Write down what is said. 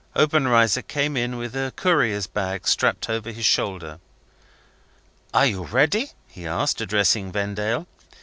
Obenreizer came in with a courier's big strapped over his shoulder. "Are you ready?" he asked, addressing Vendale.